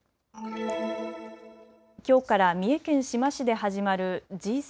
きょうから三重県志摩市で始まるＧ７